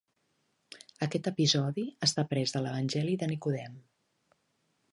Aquest episodi està pres de l'Evangeli de Nicodem.